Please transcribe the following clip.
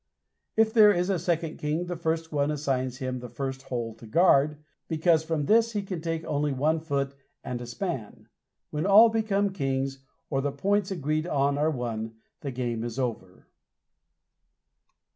If there is a second king, the first one assigns him the first hole to guard, because from this he can take only one foot and a span. When all become kings, or the points agreed on are won, the game is over.